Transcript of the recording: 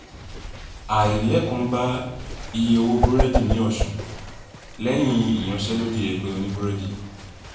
Àlékún bá iye owó búrẹ́dì ní Ọ̀ṣun, lẹ́yìn ìyanṣẹ́lódì ẹgbẹ́ oníbúrẹ́dì